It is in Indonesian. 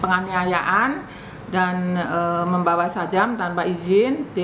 penganiayaan dan membawa sajam tanpa izin